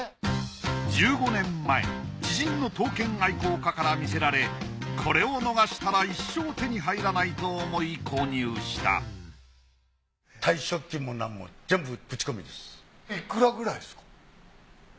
１５年前知人の刀剣愛好家から見せられこれを逃したら一生手に入らないと思い購入したいくらくらいですか？